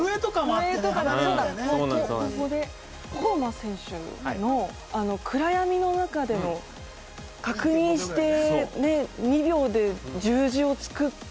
選手の暗闇の中での確認して２秒で十字を作って。